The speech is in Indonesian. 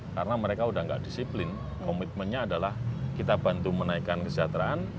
karena mereka sudah tidak disiplin komitmennya adalah kita bantu menaikkan kesejahteraan